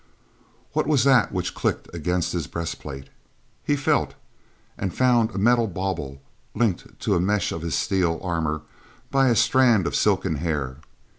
What was that which clicked against his breastplate? He felt, and found a metal bauble linked to a mesh of his steel armor by a strand of silken hair.